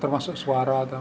termasuk suara atau apa